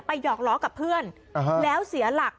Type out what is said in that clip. หยอกล้อกับเพื่อนแล้วเสียหลัก